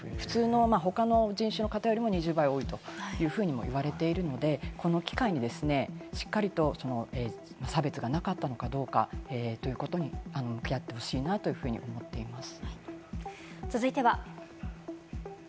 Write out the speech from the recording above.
他の人種の方よりも２０倍多いというふうにも言われているので、この機会にですね、しっかりと差別がなかったのかどうかということにやってほしいなというふうに思っています。